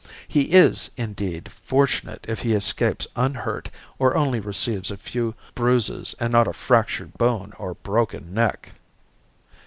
He is, indeed, fortunate if he escapes unhurt, or only receives a few bruises and not a fractured bone or broken neck.